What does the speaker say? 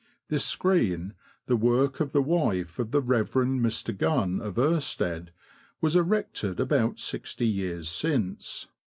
This screen, the work of the wife of the Rev. Mr. Gunn, of Irstead, was erected about sixty years since.